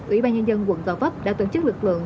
ủy ban nhân dân quận gò vấp đã tổ chức lực lượng